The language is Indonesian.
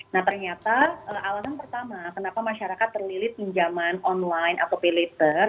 nah ternyata alasan pertama kenapa masyarakat terlilit pinjaman online atau pay later